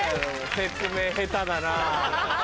説明下手だな。